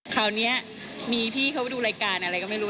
คราวนี้มีพี่เขาไปดูรายการอะไรก็ไม่รู้